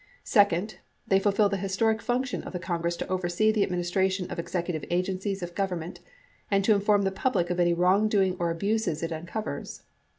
Second, they fulfill the historic function of the Congress to oversee the administration of executive agencies of Gov ernment and to inform the public of any wrongdoing or abuses it uncovers.